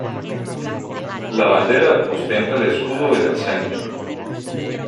La bandera ostenta el escudo en el centro.